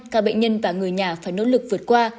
các bệnh nhân và người nhà phải nỗ lực vượt qua